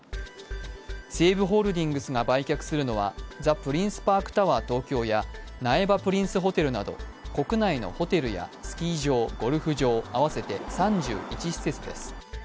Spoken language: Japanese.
西武ホールディングスが売却するのはザ・プリンスパークタワー東京や苗場プリンスホテルなど国内のホテルやスキー場、ゴルフ場、合わせて３１施設です。